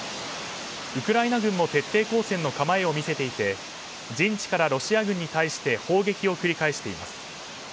ウクライナ軍も徹底抗戦の構えを見せていて陣地からロシア軍に対して砲撃を繰り返しています。